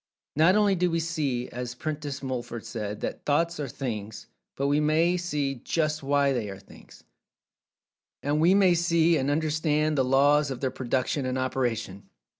Not only do we see, as Prentice Mulford said, that "Thoughts are Things," but we may see "just why" they are Things. And we may see and understand the laws of their production and operation.